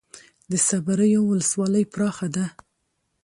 د صبریو ولسوالۍ پراخه ده